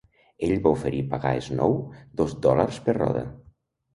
Ell va oferir pagar a Snow dos dòlars per roda.